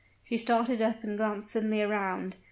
She started up and glanced suddenly around.